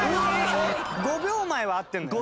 「５秒前」は合ってるんだよ。